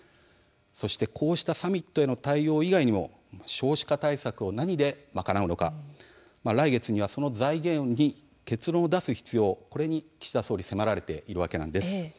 こうしたサミットへの対応以外にも少子化対策を何で賄うのか来月にはその財源に結論を出す必要これに岸田総理は迫られているわけなんです。